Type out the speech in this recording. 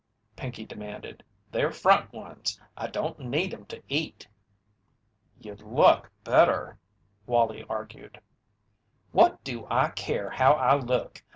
Pinkey demanded. "They're front ones I don't need 'em to eat." "You'd look better," Wallie argued. "What do I care how I look!